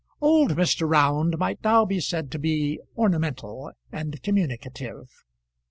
Old Mr. Round might now be said to be ornamental and communicative.